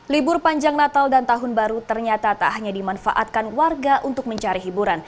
libur panjang natal dan tahun baru ternyata tak hanya dimanfaatkan warga untuk mencari hiburan